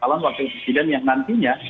calon wakil presiden yang nantinya